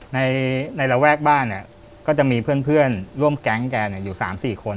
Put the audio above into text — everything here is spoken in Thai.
ในระแวกบ้านเนี่ยก็จะมีเพื่อนร่วมแก๊งแกอยู่๓๔คน